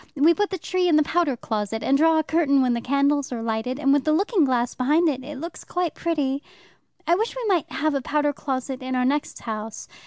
We put the tree in the powder closet, and draw a curtain when the candles are lighted, and with the looking glass behind it looks quite pretty. I wish we might have a powder closet in our next house.